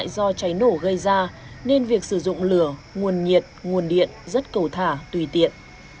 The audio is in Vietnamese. do cháy nổ gây ra nên việc sử dụng lửa nguồn nhiệt nguồn điện rất cầu thả tùy tiện